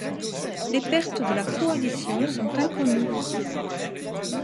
Les pertes de la Coalition sont inconnues.